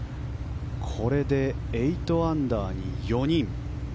これで８アンダーに４人。